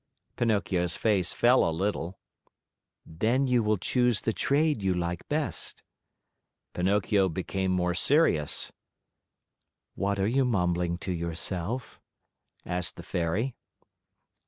Pinocchio's face fell a little. "Then you will choose the trade you like best." Pinocchio became more serious. "What are you mumbling to yourself?" asked the Fairy.